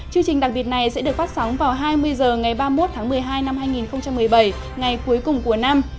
chương trình đặc biệt này sẽ được phát sóng vào hai mươi h ngày ba mươi một tháng một mươi hai năm hai nghìn một mươi bảy ngày cuối cùng của năm